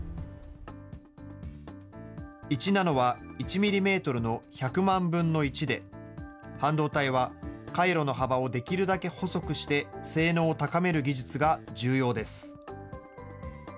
１ナノは１ミリメートルの１００万分の１で、半導体は回路の幅をできるだけ細くして性能を高める技術が重要です。